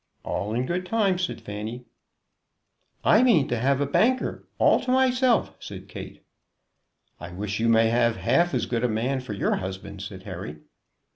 "All in good time," said Fanny. "I mean to have a banker all to myself," said Kate. "I wish you may have half as good a man for your husband," said Harry.